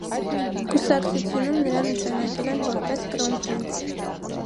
Կուսակցությունում նրան նշանակել են որպես կրոնպրինց։